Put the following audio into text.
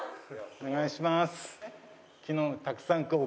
お願いします。